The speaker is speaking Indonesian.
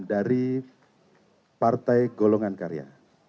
dari partai golongan karya